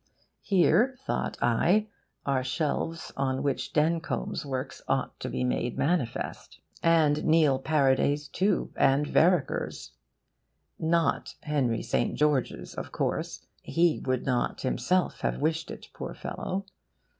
'Here,' thought I, 'are the shelves on which Dencombe's works ought to be made manifest. And Neil Paraday's too, and Vereker's.' Not Henry St. George's, of course: he would not himself have wished it, poor fellow!